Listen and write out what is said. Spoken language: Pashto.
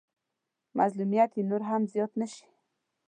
مظلوميت يې نور هم زيات نه شي.